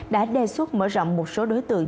đã đề xuất mở rộng một số đối tượng